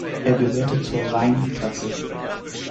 Er gehörte zur "Rhein"-Klasse.